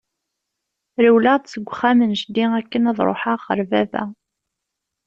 Rewleɣ-d seg uxxam n jeddi akken ad ruḥeɣ ɣer baba.